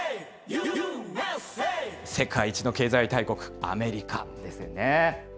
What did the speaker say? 世界一の経済大国、アメリカですよね。